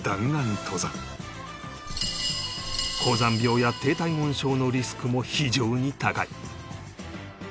高山病や低体温症のリスクも非常に高い